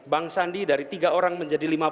bang sandi dari tiga orang menjadi